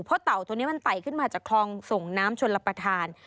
เพราะเต่าตัวนี้มันไต่ขึ้นมาจากคลองส่งน้ำชนรับประทาน